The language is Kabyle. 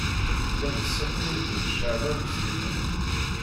Tellamt tessakayemt-d Caɛban U Sliman.